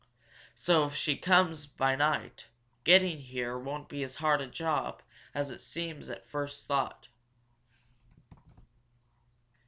So if she comes by night, getting here won't be as hard a job as it seems at first thought."